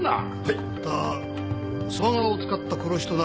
はい。